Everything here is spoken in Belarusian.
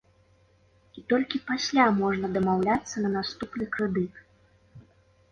І толькі пасля можна дамаўляцца на наступны крэдыт.